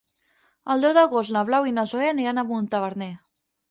El deu d'agost na Blau i na Zoè aniran a Montaverner.